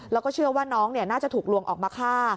แล้วก็เชื่อว่าน้องน่าจะถูกลวงออกมาฆ่า